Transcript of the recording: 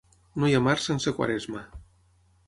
No hi ha març sense Quaresma.